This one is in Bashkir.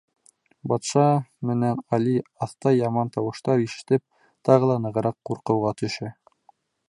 Батша менән Али, аҫта яман тауыштар ишетеп, тағы ла нығыраҡ ҡурҡыуға төшә.